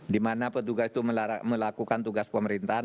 di mana petugas itu melakukan tugas pemerintahan